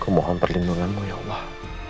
ku mohon perlindunganmu ya allah